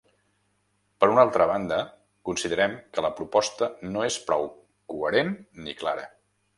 Per una altra banda, considerem que la proposta no és prou coherent ni clara.